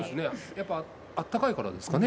やっぱあったかいからですかね。